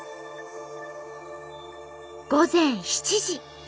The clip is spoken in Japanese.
午前７時。